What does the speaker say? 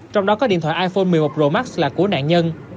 trong đó có điện thoại iphone một mươi một pro max là của nạn nhân